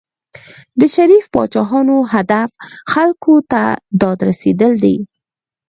د شریفو پاچاهانو هدف خلکو ته داد رسېدل دي.